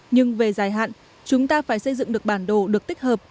nhưng về dài hạn chúng ta phải xây dựng được bản đồ được tích hợp